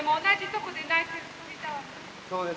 そうです。